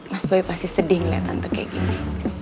mas bayu pasti sedih ngelihat tante kayak gini